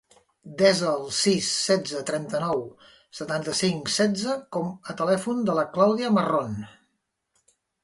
Desa el sis, setze, trenta-nou, setanta-cinc, setze com a telèfon de la Clàudia Marron.